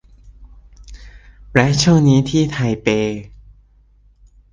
และช่วงนี้ที่ไทเป